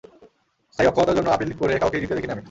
স্থায়ী অক্ষমতার জন্য আপিল করে কাউকেই জিততে দেখিনি আমি।